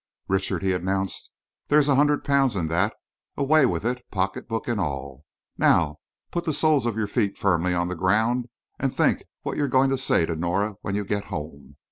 "Richard," he announced, "there's a hundred pounds in that. Away with it, pocketbook and all. Now put the soles of your feet firmly on the ground and think what you're going to say to Nora when you get home.